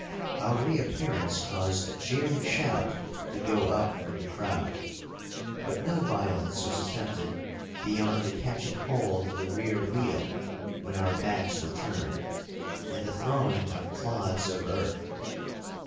Our reappearance caused a jeering shout to go up from the crowd; but no violence was attempted beyond the catching hold of the rear wheel when our backs were turned, and the throwing of clods of earth.